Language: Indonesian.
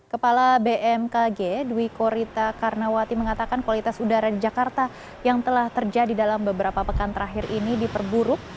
kepala bmkg dwi korita karnawati mengatakan kualitas udara di jakarta yang telah terjadi dalam beberapa pekan terakhir ini diperburuk